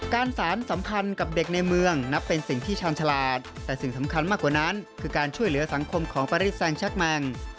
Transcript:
การสารสัมพันธ์กับเด็กในเมืองนับเป็นสิ่งที่ชาญฉลาดแต่สิ่งสำคัญมากกว่านั้นคือการช่วยเหลือสังคมของปาริสแซงชักแมง